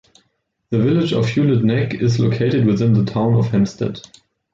The Village of Hewlett Neck is located within the Town of Hempstead.